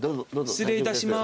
失礼したします。